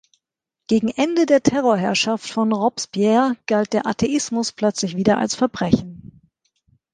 Gegen Ende der Terrorherrschaft von Robespierre galt der Atheismus plötzlich wieder als Verbrechen.